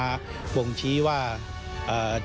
สวัสดีครับ